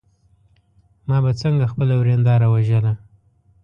ما به څنګه خپله ورېنداره وژله.